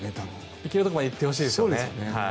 行けるところまで行ってほしいですよね。